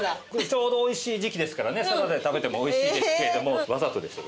ちょうど美味しい時期ですからねサラダで食べても美味しいですけれども。